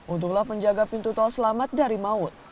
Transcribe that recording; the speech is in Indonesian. untunglah penjaga pintu tol selamat dari maut